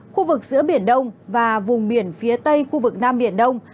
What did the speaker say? khu vực giữa biển đông và vùng biển phía tây khu vực nam biển đông